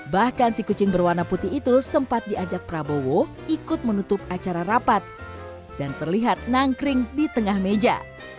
bahkan si kucing berwarna putih itu sempat diajak prabowo ikut menutup acara rapat dan terlihat nangkring di tengah meja